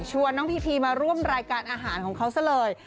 น้องพีพีมาร่วมรายการอาหารของเขาซะเลย